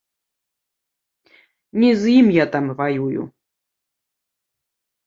Не з ім я там ваюю.